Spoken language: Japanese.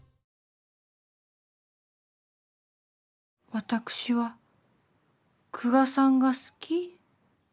私は久我さんが好き？